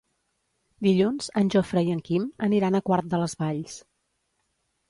Dilluns en Jofre i en Quim aniran a Quart de les Valls.